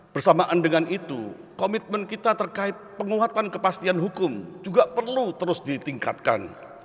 bersamaan dengan itu komitmen kita terkait penguatan kepastian hukum juga perlu terus ditingkatkan